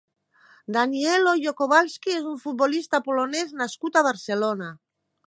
Daniel Hoyo-Kowalski és un futbolista polonès nascut a Barcelona.